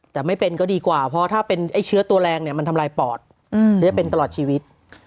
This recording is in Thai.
แต่ไม่เป็นก็ดีกว่าเพราะถ้าเป็นไอ้เชื้อตัวแรงเนี่ยมันทำลายปอดหรือจะเป็นตลอดชีวิต